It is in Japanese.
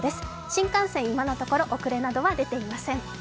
新幹線、今のところ遅れなどは出ていません。